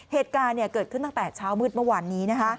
เหตุการณ์เกิดขึ้นตั้งแต่เช้ามืดเมื่อวานนี้